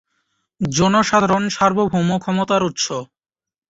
জনসাধারণ সার্বভৌম ক্ষমতার উৎস।